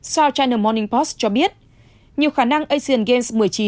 south china morning post cho biết nhiều khả năng asian games một mươi chín